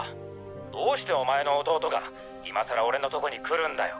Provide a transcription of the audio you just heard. どうしておまえの弟が今更俺のとこに来るんだよ。